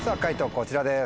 こちらです。